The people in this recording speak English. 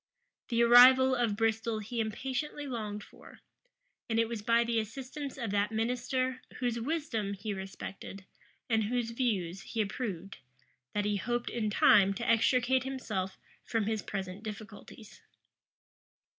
The arrival of Bristol he impatiently longed for; and it was by the assistance of that minister, whose wisdom he respected, and whose views he approved, that he hoped in time to extricate himself from his present difficulties.